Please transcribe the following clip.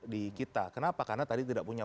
di kita kenapa karena tadi tidak punya